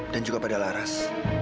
dan juga pada laras